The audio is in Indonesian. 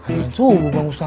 azan subuh bang ustadz